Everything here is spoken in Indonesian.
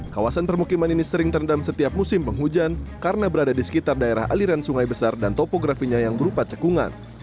kawasan permukiman ini sering terendam setiap musim penghujan karena berada di sekitar daerah aliran sungai besar dan topografinya yang berupa cekungan